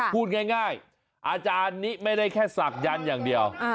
พูดง่ายอาจารย์นี้ไม่ได้แค่ศักยันต์อย่างเดียว